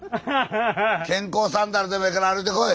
健康サンダルでもええから歩いてこい！